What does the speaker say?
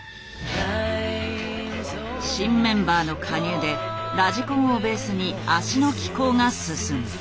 新メンバーの加入でラジコンをベースに脚の機構が進む。